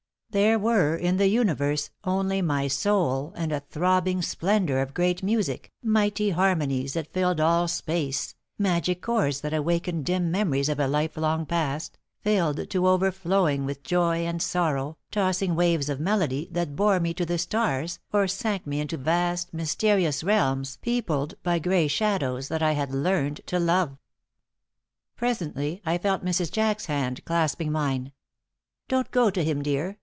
There were in the universe only my soul and a throbbing splendor of great music, mighty harmonies that filled all space, magic chords that awakened dim memories of a life long past, filled to overflowing with joy and sorrow, tossing waves of melody that bore me to the stars or sank with me into vast, mysterious realms peopled by gray shadows that I had learned to love. Presently I felt Mrs. Jack's hand clasping mine. "Don't go to him, dear.